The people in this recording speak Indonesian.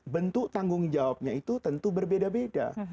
bentuk tanggung jawabnya itu tentu berbeda beda